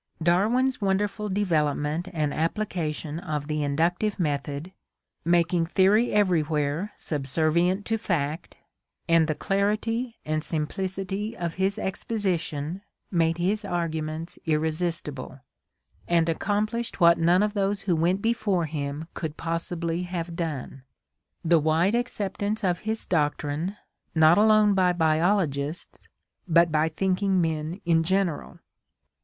Darwin's won derful development and application of the inductive method, making theory everywhere subservient to fact, and the clarity and simplicity of his exposition made his arguments irresistible, and accomplished what none of those who went before him could possibly have done — the wide acceptance of his doctrine, not alone by biologists but by thinking men in general.